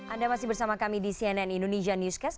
anda masih bersama kami di cnn indonesia newscast